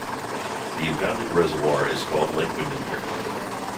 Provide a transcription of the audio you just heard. The impounded reservoir is called Lake Windamere.